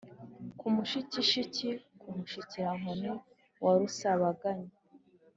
ku mushikishiki ku mushikurankoni wa rusabaganya